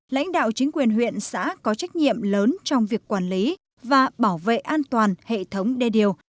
lãnh đạo chính quyền huyện xã có trách nhiệm lớn trong việc quản lý và bảo vệ an toàn hệ thống đê điều